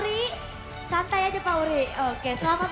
itu kita yang akan menkapai